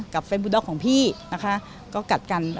กับแฟนบูด๊อกของพี่นะคะก็กัดกัน